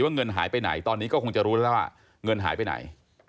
เงินหายไปไหนตอนนี้ก็คงจะรู้แล้วว่าเงินหายไปไหน